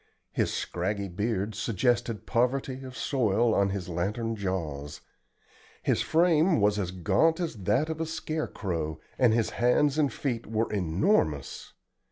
His scraggy beard suggested poverty of soil on his lantern jaws. His frame was as gaunt as that of a scare crow, and his hands and feet were enormous.